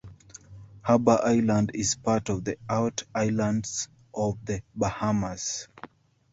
Harbour Island is part of the Out Islands of the Bahamas.